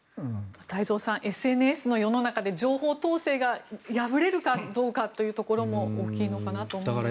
太蔵さんＳＮＳの世の中で情報統制が破れるかどうかというところも大きいのかなと思います。